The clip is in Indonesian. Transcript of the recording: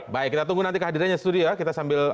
baik kita tunggu nanti kehadirannya di studio ya